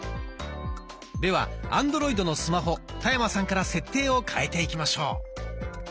ではアンドロイドのスマホ田山さんから設定を変えていきましょう。